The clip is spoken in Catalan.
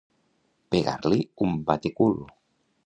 Pegar-li un batecul.